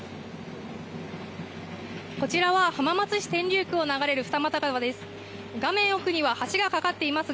こちらは浜松市天竜区を流れる二俣川です。